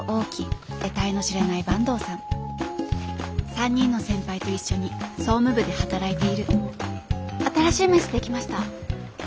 ３人の先輩と一緒に総務部で働いている新しい名刺できました。